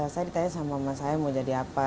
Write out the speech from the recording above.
saya ditanya sama saya mau jadi apa